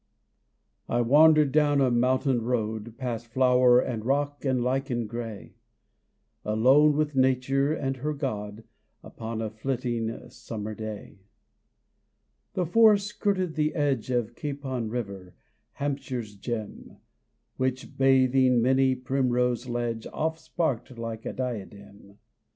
I wandered down a mountain road, Past flower and rock and lichen gray, Alone with nature and her God Upon a flitting summer day. The forest skirted to the edge Of Capon river, Hampshire's gem, Which, bathing many a primrose ledge, Oft sparkled like a diadem.